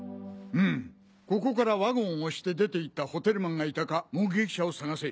うんここからワゴンを押して出て行ったホテルマンがいたか目撃者を捜せ。